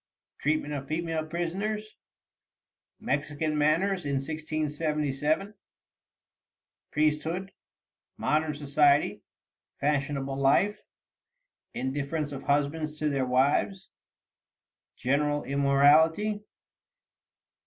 Treatment of Female Prisoners. Mexican Manners in 1677. Priesthood. Modern Society. Fashionable Life. Indifference of Husbands to their Wives. General Immorality.